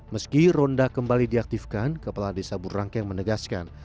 meski ronda kembali diaktifkan kepala desa burangkeng menegaskan